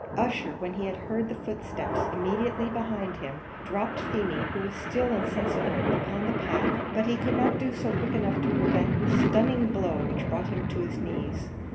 Ussher, when he had heard the footsteps immediately behind him, dropped Feemy, who was still insensible, upon the path; but he could not do so quick enough to prevent the stunning blow which brought him on his knees.